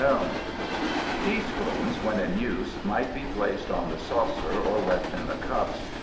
_)] Teaspoons, when in use, might be placed on the saucer or left in the cups.